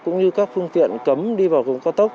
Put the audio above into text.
cũng như các phương tiện cấm đi vào vùng cao tốc